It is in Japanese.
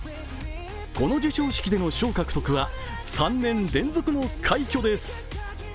この授賞式での賞獲得は３年連続の快挙です。